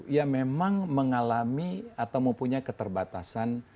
ya memang mengalami atau mempunyai keterbatasan